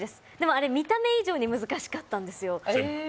あれ、見た目以上に難しかったんですよ。